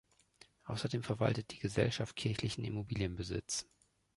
Außerdem verwaltet die Gesellschaft kirchlichen Immobilienbesitz.